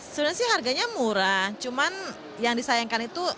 sebenarnya sih harganya murah cuman yang disayangkan itu